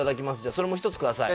それも１つください。